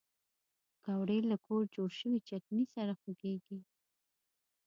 پکورې له کور جوړ شوي چټني سره خوږېږي